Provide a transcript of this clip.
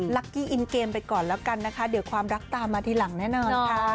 กี้อินเกมไปก่อนแล้วกันนะคะเดี๋ยวความรักตามมาทีหลังแน่นอนค่ะ